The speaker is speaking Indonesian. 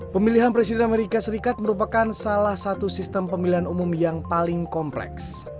pemilihan presiden amerika serikat merupakan salah satu sistem pemilihan umum yang paling kompleks